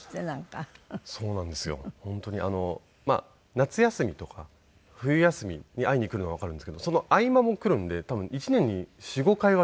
夏休みとか冬休みに会いに来るのはわかるんですけどその合間も来るんで多分１年に４５回は来ていて。